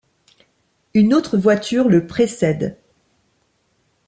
Une autre voiture le précède.